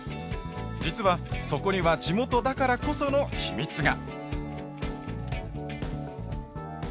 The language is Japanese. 実はそこには地元だからこその秘密が。